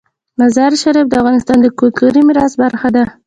مزارشریف د افغانستان د کلتوري میراث برخه ده.